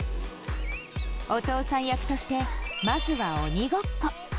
お父さん役としてまずは鬼ごっこ。